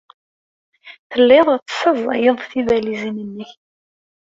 Telliḍ tessaẓayeḍ tibalizin-nnek.